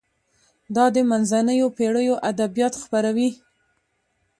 دا د منځنیو پیړیو ادبیات خپروي.